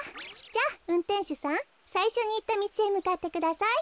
じゃあうんてんしゅさんさいしょにいったみちへむかってください。